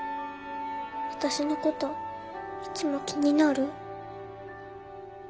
私のこといつも気になる？